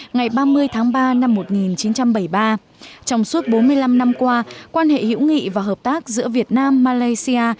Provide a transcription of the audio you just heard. ngày ba mươi tháng ba năm một nghìn chín trăm bảy mươi ba trong suốt bốn mươi năm năm qua quan hệ hữu nghị và hợp tác giữa việt nam malaysia